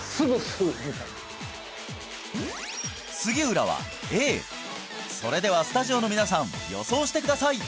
杉浦はＡそれではスタジオの皆さん予想してください